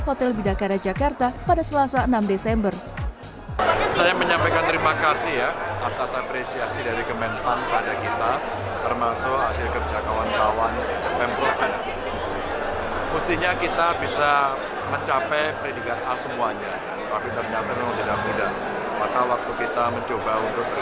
hotel bidakara jakarta pada selasa enam desember